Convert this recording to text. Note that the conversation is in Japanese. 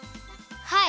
はい！